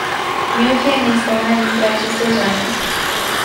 München este una dintre aceste zone.